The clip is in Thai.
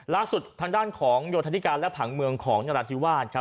ล่าสุดทางด้านของโยธนิการและผังเมืองของนรัฐีวาล